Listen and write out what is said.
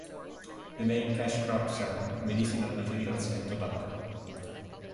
The main cash crops are medicinal materials and tobacco.